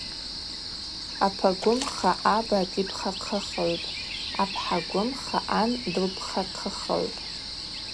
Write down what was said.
Апа гвымха аба дипхахъыхыгӏвпӏ, апхӏа гвымха ан дылпхахъыхыгӏвпӏ.